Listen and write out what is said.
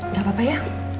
gak apa apa ya